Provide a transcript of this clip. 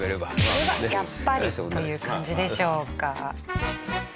これは「やっぱり！」という感じでしょうか。